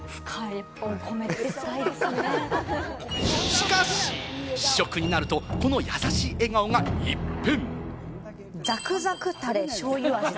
しかし、試食になると、このやさしい笑顔が一変。